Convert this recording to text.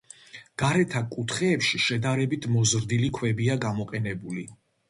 გარეთა კუთხეებში შედარებით მოზრდილი ქვებია გამოყენებული.